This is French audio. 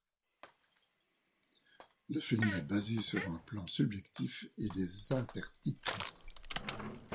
Le film est basé sur un plan subjectif et des intertitres.